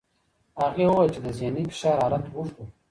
هغې وویل چې د ذهني فشار حالت اوږد و.